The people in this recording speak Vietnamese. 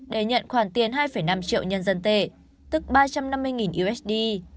để nhận khoản tiền hai năm triệu nhân dân tệ tức ba trăm năm mươi usd